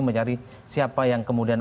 mencari siapa yang kemudian